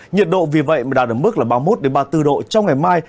nhiệt độ vì vậy mà đạt ở mức là ba mươi một ba mươi bốn độ trong ngày mai